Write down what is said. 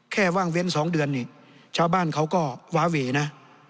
แค่ว่างเวลสองเดือนชาวบ้านเขาก็หวาเวนะ